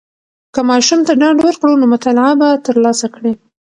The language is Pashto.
که ماشوم ته ډاډ ورکړو، نو مطالعه به تر لاسه کړي.